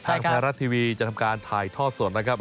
ทางไทยรัฐทีวีจะทำการถ่ายทอดสดนะครับ